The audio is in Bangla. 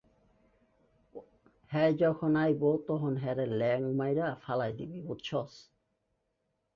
ইউনিসেফ সিটি কর্পোরেশন ও শহরাঞ্চলে বর্জ্য পুনর্ব্যবহার ও নিয়ন্ত্রণের কাজ শুরু করেছে।